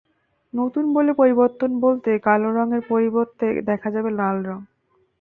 নতুন বলে পরিবর্তন বলতে কালো রঙের পরিবর্তে দেখা যাবে লাল রং।